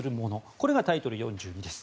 これがタイトル４２です。